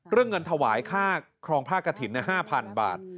ร่งเงินถวายค่าครองพราทกฐิน๕๐๐๐บาท